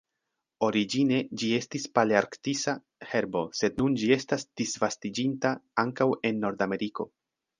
Origine ĝi estis palearktisa herbo sed nun ĝi estas disvastiĝinta ankaŭ en Nordameriko.